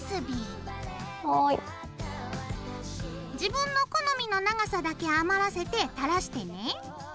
自分の好みの長さだけ余らせて垂らしてね。